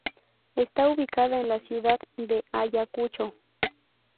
Está ubicada en la ciudad de Ayacucho.